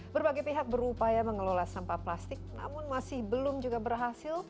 berbagai pihak berupaya mengelola sampah plastik namun masih belum juga berhasil